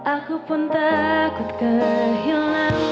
aku pun takut kehilangan